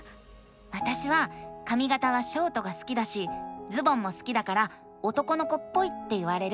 わたしはかみがたはショートが好きだしズボンも好きだから男の子っぽいって言われる。